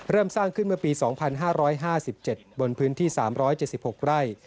สร้างขึ้นเมื่อปี๒๕๕๗บนพื้นที่๓๗๖ไร่